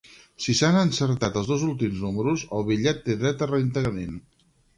Si s’han encertat els dos últims números, el bitllet té dret a reintegrament.